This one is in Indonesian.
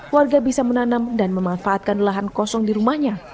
warga bisa menanam dan memanfaatkan lahan kosong di rumahnya